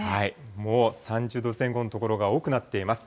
もう３０度前後の所が多くなっています。